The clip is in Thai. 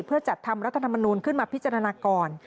เพื่อจัดทำรัฐธรรมนูลขึ้นมาพิจารณาก่อน